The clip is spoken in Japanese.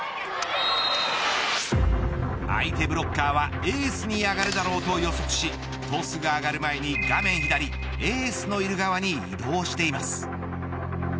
相手ブロッカーはエースに上がるだろうと予測しトスが上がる前に、画面左エースのいる側に移動しています。